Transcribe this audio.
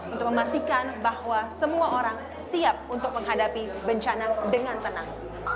untuk memastikan bahwa semua orang siap untuk menghadapi bencana dengan tenang